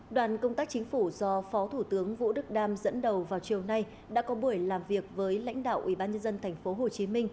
đoàn công tác chính phủ do phó thủ tướng vũ đức đam dẫn đầu vào chiều nay đã có buổi làm việc với lãnh đạo ubnd tp hcm